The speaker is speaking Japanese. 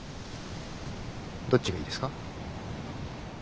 どっちがいいですか？